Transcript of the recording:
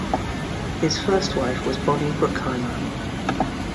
His first wife was Bonnie Bruckheimer.